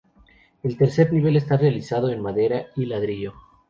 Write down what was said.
El tercer nivel está realizado en madera y ladrillo.